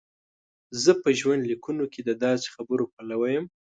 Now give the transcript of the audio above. زه په ژوندلیکونو کې د داسې خبرو پلوی یم.